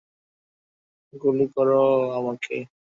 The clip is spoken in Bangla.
গুলি করো আমাকে!